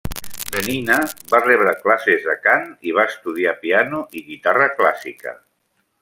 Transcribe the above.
De nina, va rebre classes de cant i va estudiar piano i guitarra clàssica.